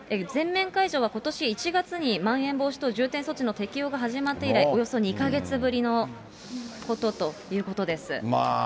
全面解除はことし１月にまん延防止等重点措置の適用が始まって以来、およそ２か月ぶりのことということです。